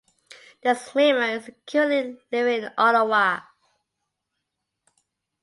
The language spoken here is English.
The swimmer is currently living in Ottawa.